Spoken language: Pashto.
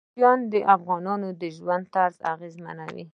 کوچیان د افغانانو د ژوند طرز اغېزمنوي.